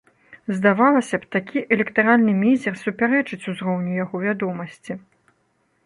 Здавалася б, такі электаральны мізер супярэчыць узроўню яго вядомасці.